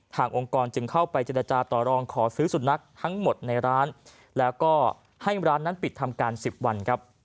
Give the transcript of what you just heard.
องค์กรจึงเข้าไปเจรจาต่อรองขอซื้อสุนัขทั้งหมดในร้านแล้วก็ให้ร้านนั้นปิดทำการ๑๐วันครับ